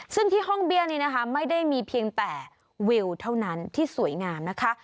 ซึ่งที่ห้องเบี้ยนี้นะคะไม่ได้มีเพียงแต่วิวเท่านั้นที่สวยงามนะคะ